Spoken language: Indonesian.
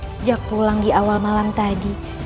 sejak pulang di awal malam tadi